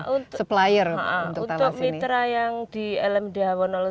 untuk supplier untuk mitra yang di lmd awal